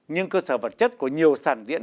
nhưng cơ sở vật chất của nhiều sản diễn